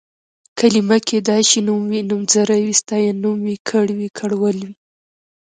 کلمه کيدای شي نوم وي، نومځری وي، ستاینوم وي، کړ وي، کړول وي...